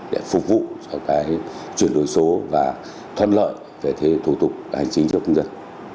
để phục vụ cho chuyển đổi số và thoát lợi về thủ tục hành trình cho công dân